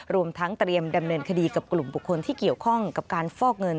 รวมทั้งเตรียมดำเนินคดีกับกลุ่มบุคคลที่เกี่ยวข้องกับการฟอกเงิน